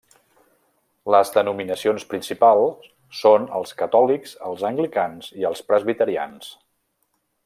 Les denominacions principals són els catòlics, els anglicans i els presbiterians.